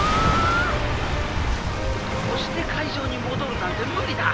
「押して海上に戻るなんて無理だ！